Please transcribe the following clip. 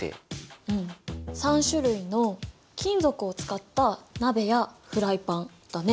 うん３種類の金属を使った鍋やフライパンだね。